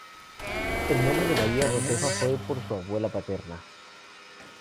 El nombre de María Josefa fue por su abuela paterna.